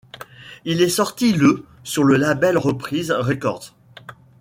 Il est sorti le sur le label Reprise Records.